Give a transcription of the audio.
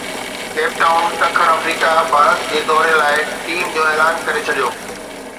Cape Town ڏکڻ Africa Bharat جي دوري لاءِ ٽيم جو اعلان ڪري ڇڏيو